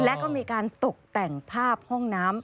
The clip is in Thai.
และก็มีการตกแต่งภาพห้องน้ำ